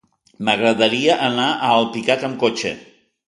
M'agradaria anar a Alpicat amb cotxe.